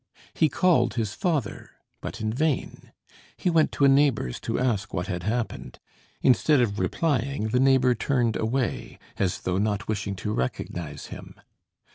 He called his father, but in vain. He went to a neighbor's to ask what had happened; instead of replying, the neighbor turned away, as though not wishing to recognize him.